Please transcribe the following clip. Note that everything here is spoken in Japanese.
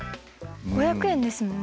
５００円ですもんね。